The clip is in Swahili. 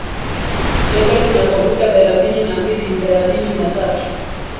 joto linapofika thelathini na mbili thelathini na tatu